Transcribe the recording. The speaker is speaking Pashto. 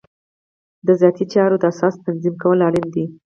د ذاتي چارو د اساساتو تنظیم کول اړین دي.